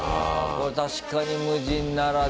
これ確かに無人ならではだ。